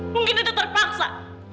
mungkin itu terpaksa